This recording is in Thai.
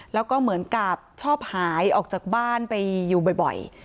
แล้วก็เหมือนกับชอบหายออกจากบ้านไปอยู่บ่อย